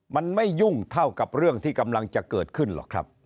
มันไม่ยุ่งเท่ากับเรื่องที่กำลังจะเกิดขึ้นหรอกครับ